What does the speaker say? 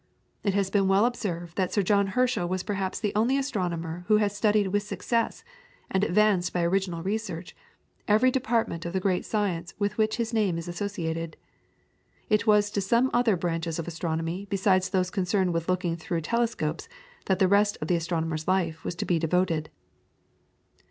It has been well observed that Sir John Herschel was perhaps the only astronomer who has studied with success, and advanced by original research, every department of the great science with which his name is associated. It was to some other branches of astronomy besides those concerned with looking through telescopes, that the rest of the astronomer's life was to be devoted.